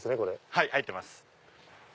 はい入ってます。